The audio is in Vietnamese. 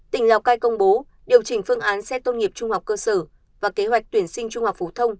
tỉnh lào cai công bố điều chỉnh phương án xét tốt nghiệp trung học cơ sở và kế hoạch tuyển sinh trung học phổ thông